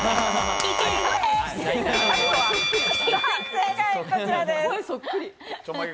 正解こちらです。